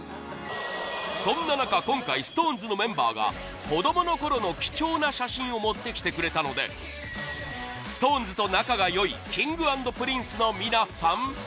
そんな中、今回ＳｉｘＴＯＮＥＳのメンバーが子供のころの貴重な写真を持ってきてくれたのでＳｉｘＴＯＮＥＳと仲が良いＫｉｎｇ＆Ｐｒｉｎｃｅの皆さん